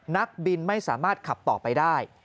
นักบินไม่สามารถขับต่อไปได้